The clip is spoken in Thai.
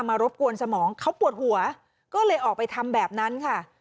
รบกวนสมองเขาปวดหัวก็เลยออกไปทำแบบนั้นค่ะ